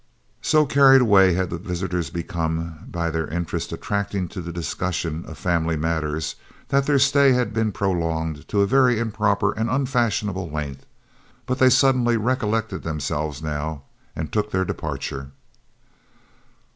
] So carried away had the visitors become by their interest attaching to this discussion of family matters, that their stay had been prolonged to a very improper and unfashionable length; but they suddenly recollected themselves now and took their departure.